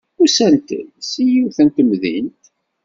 Usant-d seg yiwet n temdint.